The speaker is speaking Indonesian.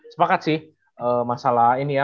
sepakat sih masalah ini ya